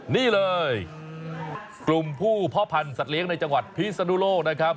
นี่เลยกลุ่มผู้พ่อพันธ์สัตว์เลี้ยงในจังหวัดพิศนุโลกนะครับ